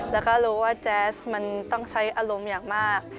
แล้วก็รู้ว่าแจ๊สมันต้องใช้อารมณ์อย่างมาก